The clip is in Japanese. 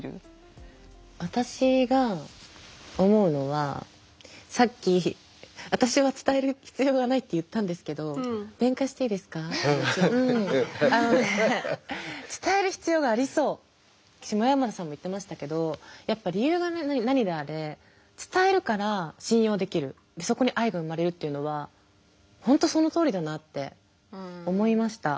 私が思うのはさっき私は伝える必要がないって言ったんですけどあのね下山田さんも言ってましたけどやっぱ理由が何であれ伝えるから信用できるそこに愛が生まれるっていうのは本当そのとおりだなって思いました。